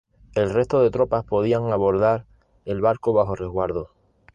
El resto de tropas podían abordar el barco bajo resguardo.